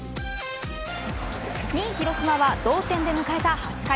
２位、広島は同点で迎えた８回。